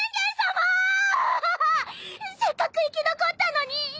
せっかく生き残ったのに！